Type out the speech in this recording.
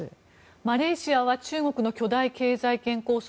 マレーシアは中国の巨大経済圏構想